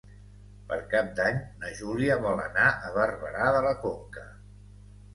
Per Cap d'Any na Júlia vol anar a Barberà de la Conca.